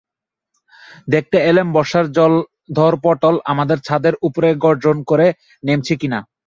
দেখতে এলেম বর্ষার জলধরপটল আমাদের ছাদের উপরে গর্জন করতে নেমেছে কি না।